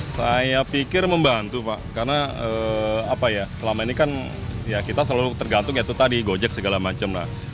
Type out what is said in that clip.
saya pikir membantu pak karena selama ini kan kita selalu tergantung itu tadi gojek segala macam